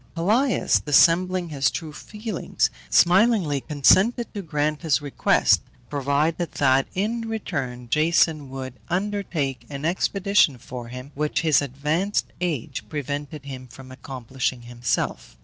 Pelias, dissembling his true feelings, smilingly consented to grant his request, provided that, in return, Jason would undertake an expedition for him, which his advanced age prevented him from accomplishing himself.